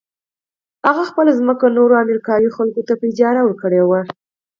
هغه خپله ځمکه نورو امريکايي وګړو ته په اجاره ورکړې وه.